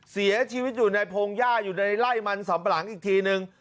เสียชีวิตอยู่ในพงหญ้าอยู่ในไล่มันสำปะหลังอีกทีนึง